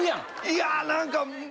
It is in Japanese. いや何か。